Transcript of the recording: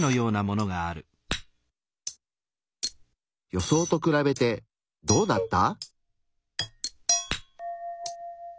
予想と比べてどうだった？